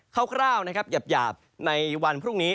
คร่าวนะครับหยาบในวันพรุ่งนี้